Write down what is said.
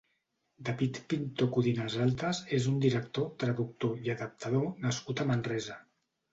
David Pintó Codinasaltas és un director, traductor i adaptador nascut a Manresa.